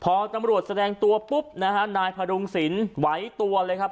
พอตำรวจแสดงตัวปุ๊บนะฮะนายพระดุงศิลป์ไหวตัวเลยครับ